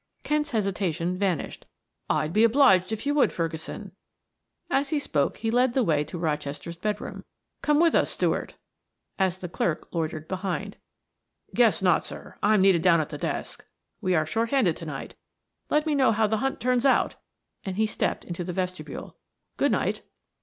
Kent's hesitation vanished. "I'd be obliged if you would, Ferguson." As he spoke he led the way to Rochester's bedroom. "Come with us, Stuart," as the clerk loitered behind. "Guess not, sir; I'm needed down at the desk, we are short handed to night. Let me know how the hunt turns out," and he stepped into the vestibule. "Good night."